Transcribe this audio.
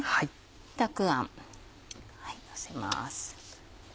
たくあんのせます。